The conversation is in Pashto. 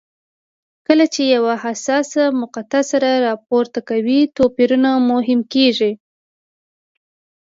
کله چې یوه حساسه مقطعه سر راپورته کوي توپیرونه مهم کېږي.